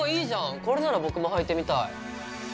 これなら僕も履いてみたい！